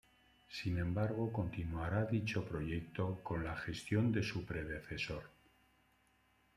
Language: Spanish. Sin embargo, continuará dicho proyecto con la gestión de su predecesor.